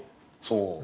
そう。